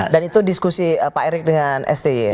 dan itu diskusi pak erik dengan sti